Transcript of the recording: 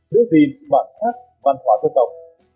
đối diện bản sắc văn hóa dân tộc